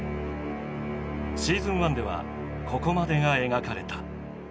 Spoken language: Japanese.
シーズン１ではここまでが描かれた。